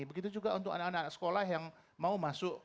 begitu juga untuk anak anak sekolah yang mau masuk